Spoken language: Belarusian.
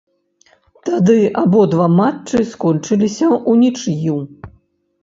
Тады абодва матчы скончыліся ўнічыю.